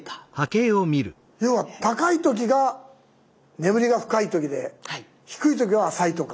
要は高い時が眠りが深い時で低い時は浅いとか。